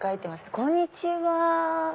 こんにちは。